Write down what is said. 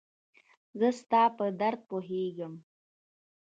زه ستا په درد پوهيږم